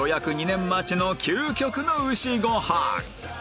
２年待ちの究極の牛ご飯